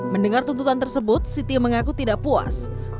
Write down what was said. mendengar tuntutan tersebut siti mengaku tidak puas